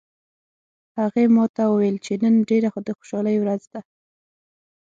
هغې ما ته وویل چې نن ډیره د خوشحالي ورځ ده